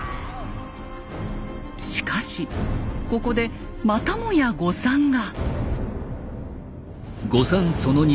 しかしここでまたもや誤算が。